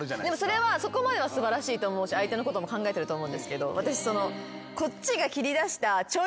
それはそこまでは素晴らしいと思うし相手のことも考えてると思うんですけど私。